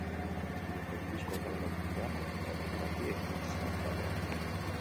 Estudioko bi disko kaleratu ostean, abentura berri bati ekin zion taldeak.